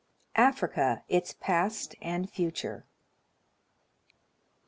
AFRICA, ITS PAST AND FUTURE.